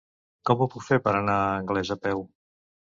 Com ho puc fer per anar a Anglès a peu?